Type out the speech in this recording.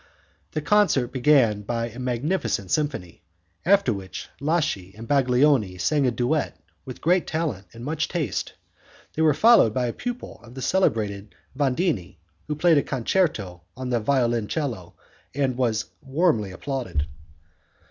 The concert began by a magnificent symphony, after which Laschi and Baglioni sang a duet with great talent and much taste. They were followed by a pupil of the celebrated Vandini, who played a concerto on the violoncello, and was warmly applauded.